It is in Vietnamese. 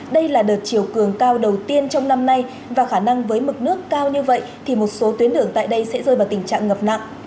đây là đợt chiều cường cao đầu tiên trong năm nay và khả năng với mực nước cao như vậy thì một số tuyến đường tại đây sẽ rơi vào tình trạng ngập nặng